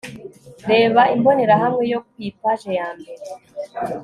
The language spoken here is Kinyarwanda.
reba imbonerahamwe yo ku ipaji ya mbere